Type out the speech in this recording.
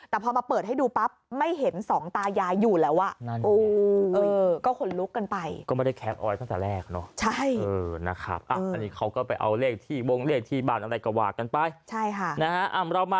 แต่พอมาเปิดให้ดูปั๊บไม่เห็นสองตายายอยู่แล้วอ่ะ